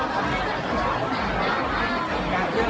การรับความรักมันเป็นอย่างไร